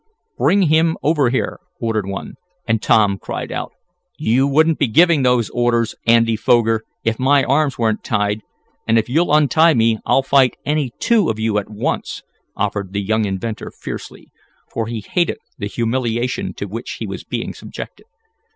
"Bring him over here," ordered one, and Tom cried out: "You wouldn't be giving those orders, Andy Foger, if my arms weren't tied. And if you'll untie me, I'll fight any two of you at once," offered the young inventor fiercely, for he hated the humiliation to which he was being subjected.